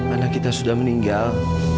anak kita sudah meninggal